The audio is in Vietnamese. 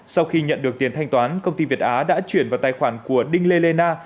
sau khi nhận được tiền thanh toán công ty việt á đã chuyển vào tài khoản của đinh lê lê na